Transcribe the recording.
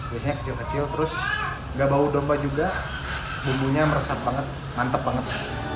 biasanya kecil kecil terus gak bau domba juga bumbunya meresap banget mantep banget